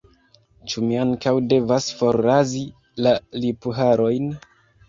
Ĉu mi ankaŭ devas forrazi la lipharojn?